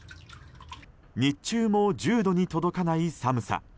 日中も１０度に届かない寒さ。